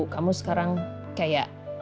kamu sekarang kayak